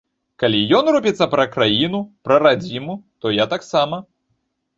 Калі ён рупіцца пра краіну, пра радзіму, то я таксама.